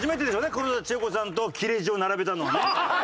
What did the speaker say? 黒田知永子さんと切れ痔を並べたのはね。